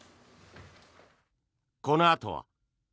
このあとは。